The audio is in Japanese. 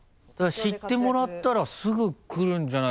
知ってもらったらすぐ来るんじゃないかなって。